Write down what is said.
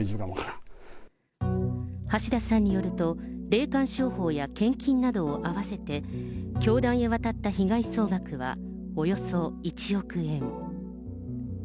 橋田さんによると、霊感商法や献金などを合わせて、教団へ渡った被害総額はおよそ１億円。